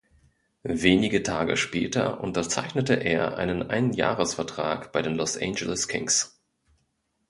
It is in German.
Wenige Tage später unterzeichnete er einen Einjahresvertrag bei den Los Angeles Kings.